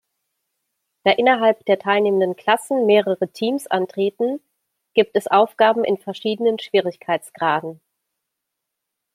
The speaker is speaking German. Da innerhalb der teilnehmenden Klassen mehrere Teams antreten, gibt es Aufgaben in verschiedenen Schwierigkeitsgraden.